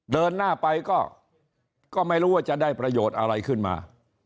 เดินหน้าไปก็ไม่รู้ว่าจะได้ประโยชน์อะไรขึ้นมา